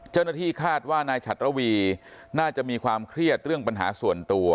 เจ้าหน้าที่คาดว่านายฉัดระวีน่าจะมีความเครียดเรื่องปัญหาส่วนตัว